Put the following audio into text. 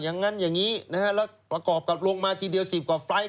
อย่างนั้นอย่างนี้นะฮะแล้วประกอบกับลงมาทีเดียว๑๐กว่าไฟล์ท